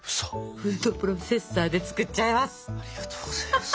フードプロセッサーで作っちゃいます！